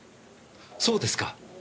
そうですか。